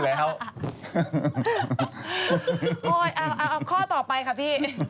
เอาข้อต่อไปค่ะพี่